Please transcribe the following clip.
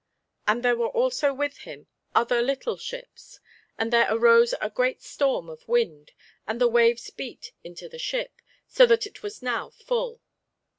And there were also with him other little ships. And there arose a great storm of wind, and the waves beat into the ship, so that it was now full.